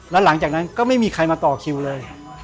แล้วหลังจากนั้นก็ไม่มีใครมาต่อคิวเลย